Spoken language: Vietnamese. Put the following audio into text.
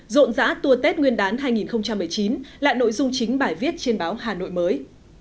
rộn rã tour tết nguyên đán hai nghìn một mươi chín là nội dung chính bài viết trên báo hà nội mới